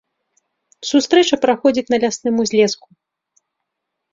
Сустрэча праходзіць на лясным узлеску.